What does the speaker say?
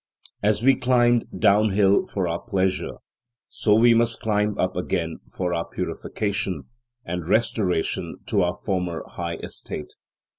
As we climbed down hill for our pleasure, so must we climb up again for our purification and restoration to our former high estate.